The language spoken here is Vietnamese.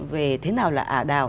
về thế nào là ả đào